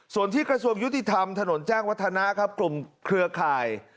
ส่วนที่กระทรวงยุติธรรมถนนแจ้งวัฒนะครับกลุ่มเครือข่าย